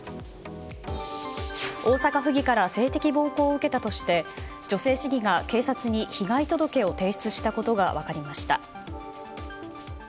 大阪府議から性的暴行を受けたとして女性市議が警察に被害届を提出したことが分かりました。